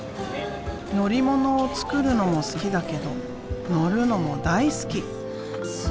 乗り物をつくるのも好きだけど乗るのも大好き！